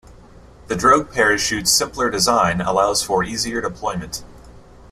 The drogue parachute's simpler design allows for easier deployment.